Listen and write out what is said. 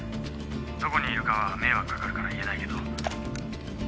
どこにいるかは迷惑かかるから言えないけど」